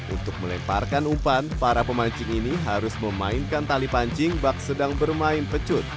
untuk melemparkan umpan para pemancing ini harus memainkan tali pancing bak sedang bermain pecut